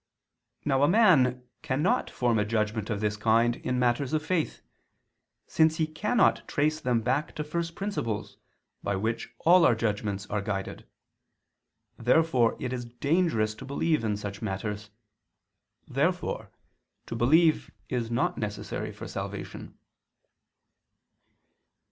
Now a man cannot form a judgment of this kind in matters of faith, since he cannot trace them back to first principles, by which all our judgments are guided. Therefore it is dangerous to believe in such matters. Therefore to believe is not necessary for salvation.